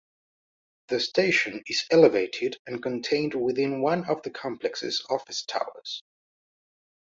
The station is elevated and contained within one of the complex's office towers.